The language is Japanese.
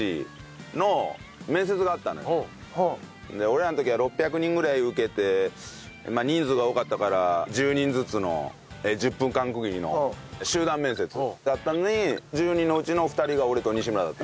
俺らの時は６００人ぐらい受けて人数が多かったから１０人ずつの１０分間区切りの集団面接だったのに１０人のうちの２人が俺と西村だった。